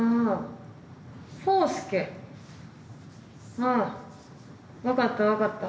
ああ分かった分かった。